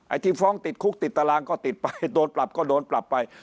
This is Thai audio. ที่ฟ้องติดคุกติดตารางก็ติดไปโดนปรับก็โดนปรับไป